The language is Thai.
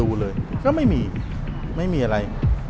ไม่รู้ว่ามีคนติดละนาด